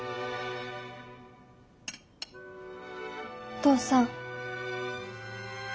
お父さん。